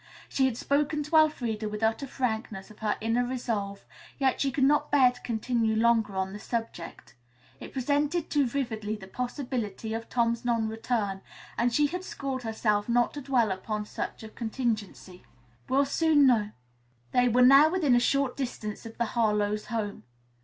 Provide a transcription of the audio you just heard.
She had spoken to Elfreda with utter frankness of her inner resolve, yet she could not bear to continue longer on the subject. It presented too vividly the possibility of Tom's non return, and she had schooled herself not to dwell upon such a contingency. "We'll soon know." They were now within a short distance of the Harlowe's home.